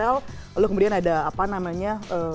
lalu kemudian ada apa namanya